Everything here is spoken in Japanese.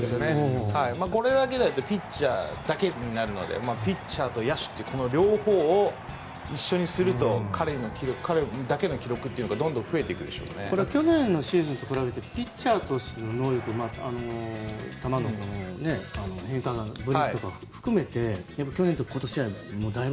これだけだとピッチャーだけになるのでピッチャーと野手という両方を一緒にすると彼だけの記録というのが去年のシーズンと比べてピッチャーとしての能力球の変化ぶりとか含めて去年と今年ではだいぶ？